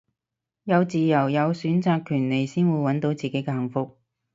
有自由有選擇權利先會搵到自己嘅幸福